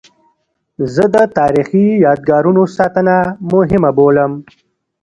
زه د تاریخي یادګارونو ساتنه مهمه بولم.